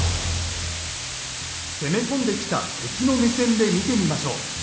攻め込んできた敵の目線で見てみましょう。